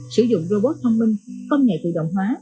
sử dụng robot thông minh công nghệ tự động hóa